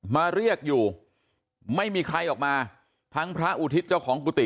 มาเรียกอยู่ไม่มีใครออกมาทั้งพระอุทิศเจ้าของกุฏิ